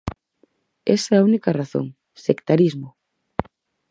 Esa é a única razón: ¡sectarismo!